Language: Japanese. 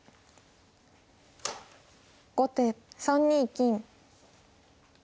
後手３二金。